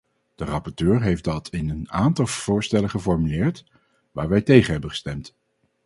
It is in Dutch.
De rapporteur heeft dat in een aantal voorstellen geformuleerd, waar wij tegen hebben gestemd.